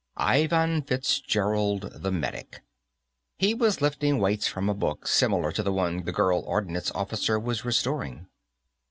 Ivan Fitzgerald, the medic. He was lifting weights from a book similar to the one the girl ordnance officer was restoring.